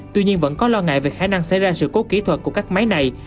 tuy nhiên vẫn có lo ngại về khả năng xảy ra sự cố kỹ thuật của các máy này